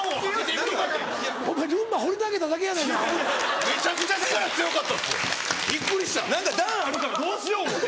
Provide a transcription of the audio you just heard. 何か段あるからどうしよう思って。